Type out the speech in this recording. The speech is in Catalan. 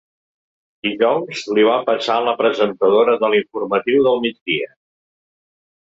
Dijous, li va passar a la presentadora de l’informatiu del migdia.